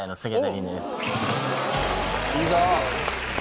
いいぞ。